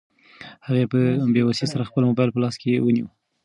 هغې په بې وسۍ سره خپل موبایل په لاس کې ونیو.